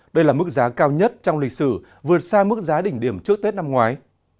đây là mức giá cao nhất trong lịch sử vượt xa mức giá đỉnh điểm trước tết năm ngoái